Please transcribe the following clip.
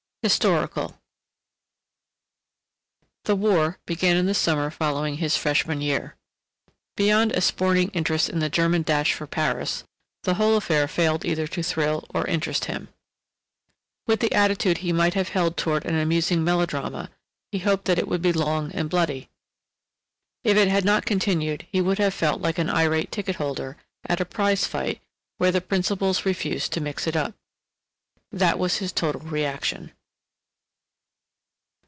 HISTORICAL The war began in the summer following his freshman year. Beyond a sporting interest in the German dash for Paris the whole affair failed either to thrill or interest him. With the attitude he might have held toward an amusing melodrama he hoped it would be long and bloody. If it had not continued he would have felt like an irate ticket holder at a prize fight where the principals refused to mix it up. That was his total reaction.